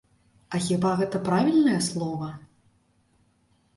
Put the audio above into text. А хіба гэта правільнае слова?